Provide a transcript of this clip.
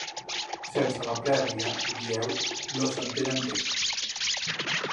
Sense la prèvia, dieu, no s’entenen bé.